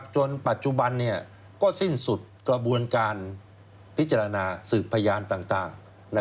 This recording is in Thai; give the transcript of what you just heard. จนปัจจุบันก็สิ้นสุดกระบวนการพิจารณาสืบพยานต่าง